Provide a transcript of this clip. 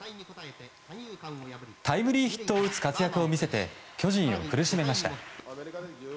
タイムリーヒットを打つ活躍を見せて巨人を苦しめました。